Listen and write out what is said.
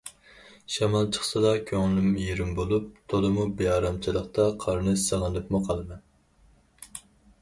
شامال چىقسىلا كۆڭلۈم يېرىم بولۇپ تولىمۇ بىئارامچىلىقتا قارنى سېغىنىپمۇ قالىمەن.